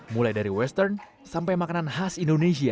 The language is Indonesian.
mulai dari western sampai makanan khas indonesia